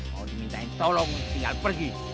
kau diminta tolong sial pergi